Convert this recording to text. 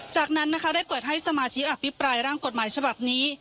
จากนั้นนะคะได้เปิดให้สมาชิกอภิปรายร่างกฎหมายฉบับนี้